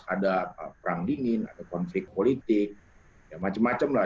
ada perang dingin konflik politik macem macem lah